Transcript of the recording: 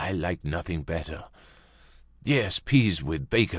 "I like nothing better." "Yes, peas with bacon."